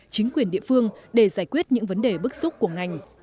chính quyền địa phương để giải quyết những vấn đề bức xúc của ngành